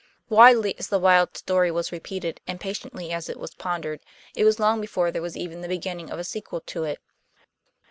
Widely as the wild story was repeated, and patiently as it was pondered, it was long before there was even the beginning of a sequel to it.